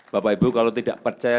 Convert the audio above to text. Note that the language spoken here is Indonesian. bapak ibu kalau tidak percaya